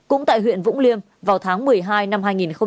cũng tại huyện vũng liêm vào tháng một mươi hai năm hai nghìn một mươi chín